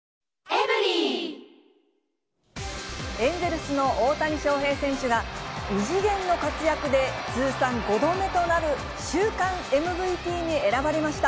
エンゼルスの大谷翔平選手が、異次元の活躍で通算５度目となる週間ＭＶＰに選ばれました。